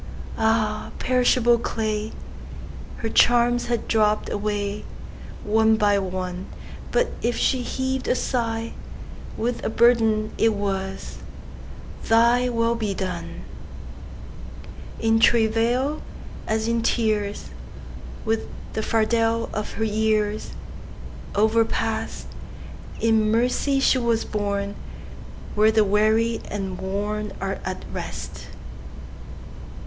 Ah, perishable clay! Her charms had dropp'd awayOne by one; But if she heav'd a sighWith a burden, it was, "ThyWill be done."In travail, as in tears, With the fardel of her yearsOverpast, In mercy she was borneWhere the weary and wornAre at rest.